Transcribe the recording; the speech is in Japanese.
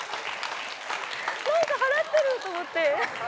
何かはらってると思って。